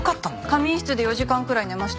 仮眠室で４時間くらい寝ました。